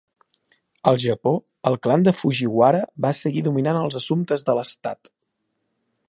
Al Japó, el clan de Fujiwara va seguir dominant els assumptes de l'estat.